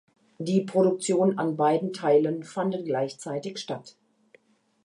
Die Produktion an beiden Teilen fanden gleichzeitig statt.